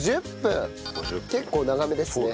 結構長めですね。